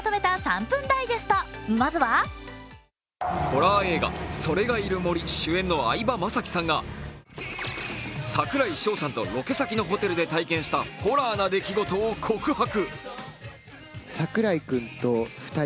ホラー映画「“それがいる森」主演の相葉雅紀さんが櫻井翔さんとロケ先のホテルで体験したホラーな出来事を告白